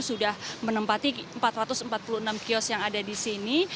sudah menempati empat ratus empat puluh enam kios yang ada di sini